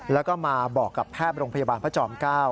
แล้วก็มาบอกกับแพทย์โรงพยาบาลพระจอม๙